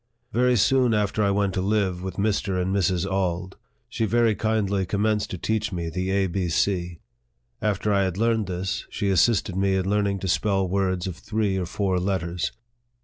Very soon after I went to live with Mr. and Mrs. Auld, she very kindly commenced to teach me the A, B, C. After I had learned this, she assisted me in learning to spell words of three or four letters.